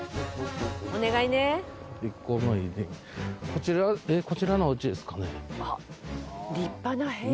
こちらのおうちですかね。